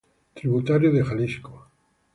Tributario de Xalisco.